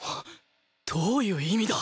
どういう意味だ！？